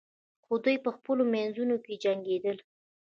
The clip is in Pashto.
خو دوی په خپلو منځو کې جنګیدل.